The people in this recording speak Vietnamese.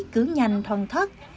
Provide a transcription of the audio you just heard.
cứ nhanh thon thoát